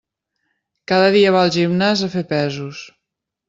Cada dia va al gimnàs a fer pesos.